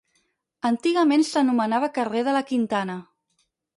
Antigament s'anomenava carrer de la Quintana.